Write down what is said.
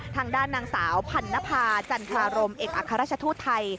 ทางด้านนางสาวพันนภาจันทรารมเอกอัครราชทูตไทย